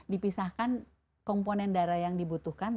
dipisahkan komponen darah yang dibutuhkan